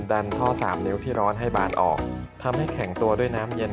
ดันท่อสามนิ้วที่ร้อนให้บานออกทำให้แข็งตัวด้วยน้ำเย็น